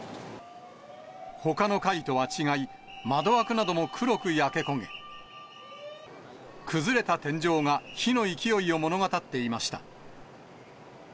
ほかの階とは違い、窓枠なども黒く焼け焦げ、崩れた天井が火の勢いを物語っていました。